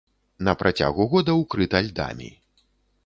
На працягу года ўкрыта льдамі.